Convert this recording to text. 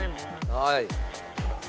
はい。